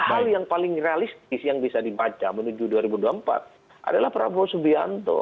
hal yang paling realistis yang bisa dibaca menuju dua ribu dua puluh empat adalah prabowo subianto